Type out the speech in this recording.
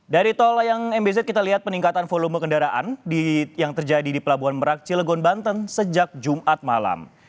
dari tol layang mbz kita lihat peningkatan volume kendaraan yang terjadi di pelabuhan merak cilegon banten sejak jumat malam